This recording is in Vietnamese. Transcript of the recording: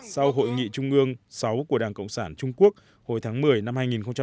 sau hội nghị trung ương sáu của đảng cộng sản trung quốc hồi tháng một mươi năm hai nghìn một mươi tám